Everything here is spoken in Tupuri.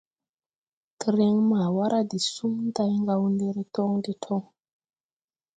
Tren ma wara de suŋ day Gawndere tɔŋ de toŋ.